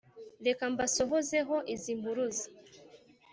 Reka mbasohozeho izi mpuruza